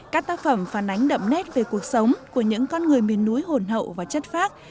các tác phẩm phản ánh đậm nét về cuộc sống của những con người miền núi hồn hậu và chất phác